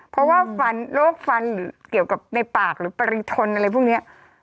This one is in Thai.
เพราะว่าฟันโรคฟันหรือเกี่ยวกับในปากหรือปริทนอะไรพวกนี้